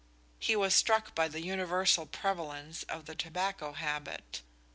He was struck with the universal prevalence of the tobacco habit.